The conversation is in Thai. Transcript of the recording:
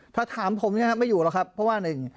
ถ้าถามผมไม่อยู่หรอครับเพราะหนึ่ง